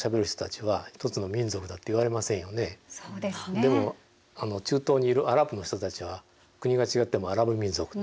でも中東にいるアラブの人たちは国が違ってもアラブ民族。